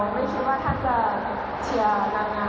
ไม่คิดว่าถ้าจะเชียร์รางาม